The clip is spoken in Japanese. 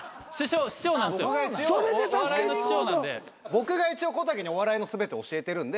僕が一応こたけにお笑いの全てを教えてるんで。